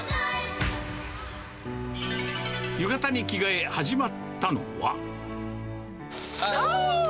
浴衣に着替え、始まったのは。